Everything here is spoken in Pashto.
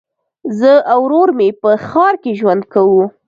زه او ورور مي په ښار کي ژوند کوو.